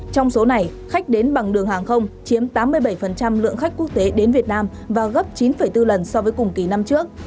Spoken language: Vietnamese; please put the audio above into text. trong số này khách đến bằng đường hàng không chiếm tám mươi bảy lượng khách quốc tế đến việt nam và gấp chín bốn lần so với cùng kỳ năm trước